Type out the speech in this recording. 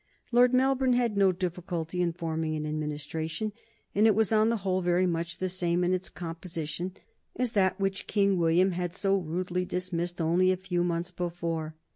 Lord Melbourne had no difficulty in forming an Administration, and it was on the whole very much the same in its composition as that which King William had so rudely dismissed only a few months before.